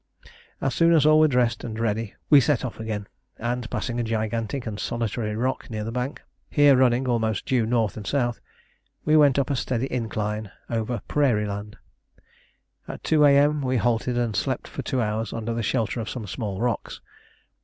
As soon as all were dressed and ready we again set off, and, passing a gigantic and solitary rock near the bank, here running almost due N. and S., we went up a steady incline over prairie land. At 2 A.M. we halted and slept for two hours under the shelter of some small rocks.